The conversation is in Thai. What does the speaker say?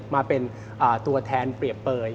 มาเป็นตัวแทนเปรียบเปลย